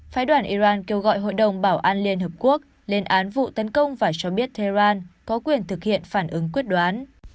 phái đoàn iran kêu gọi hội đồng bảo an liên hợp quốc lên án vụ tấn công và cho biết tehran có quyền thực hiện phản ứng quyết đoán